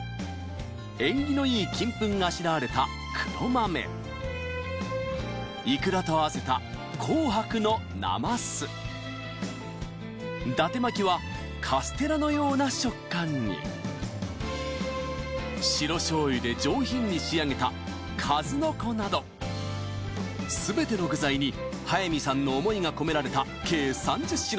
縁起のいい金粉があしらわれた黒豆いくらと合わせた紅白のなます伊達巻はカステラのような食感に白醤油で上品に仕上げた数の子など全ての具材に速水さんの思いが込められた計３０品